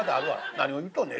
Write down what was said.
何を言うとんねん？」。